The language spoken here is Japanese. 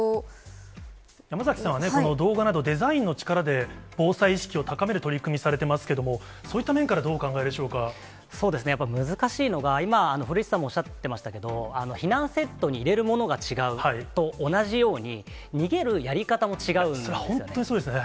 山崎さんはね、この動画など、デザインの力で防災意識を高める取り組みされてますけど、そういやっぱり難しいのは、今、古市さんもおっしゃってましたけど、避難セットに入れるものが違うと同じように、逃げるやり方も違うんですよね。